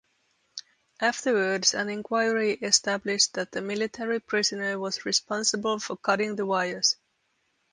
Afterwards, an enquiry established that a military prisoner was responsible for cutting the wires.